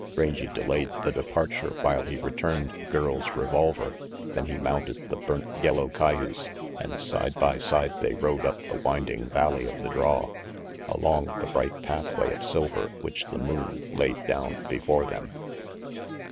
Rangy delayed the departure while he returned the girl's revolver, then he mounted the burnt yellow cayuse, and side by side they rode up the winding valley of the draw, along the bright pathway of silver which the moon laid down before them.